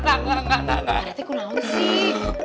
pak reti aku naun sih